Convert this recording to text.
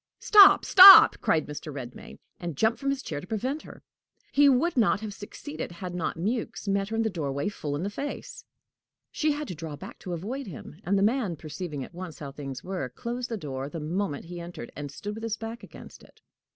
"Stop, stop!" cried Mr. Redmain, and jumped from his chair to prevent her. He would not have succeeded had not Mewks met her in the doorway full in the face. She had to draw back to avoid him, and the man, perceiving at once how things were, closed the door the moment he entered, and stood with his back against it.